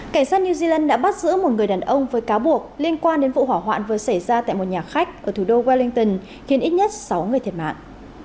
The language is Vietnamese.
cảnh sát new zealand đã bắt giữ một người đàn ông với cáo buộc liên quan đến vụ hỏa hoạn vừa xảy ra tại một nhà khách ở thủ đô walinton khiến ít nhất sáu người thiệt mạng